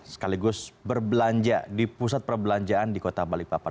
sekaligus berbelanja di pusat perbelanjaan di kota balikpapan